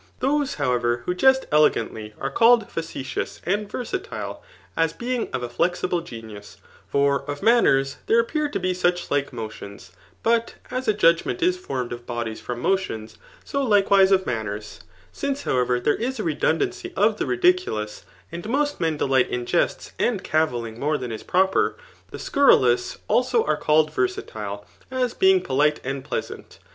Those, however, who jest elegantly, are called facetious and versatile, as being of a flexible genius ; £x ef manners there appear to be such like motions. Bat as a judgmait is formed of bodies from inotkms9 so Hko* Digitized by Google (!HAP. VIII. ETHlCa. 147 vm^of manners. Since^ fapweyer, there is a re4oAdanq^ i)f the ridiculottfy and most men delight in jests and c^ yflling more than is proper ; the scurrilous also are called, versatile, as being polite and pleasant men.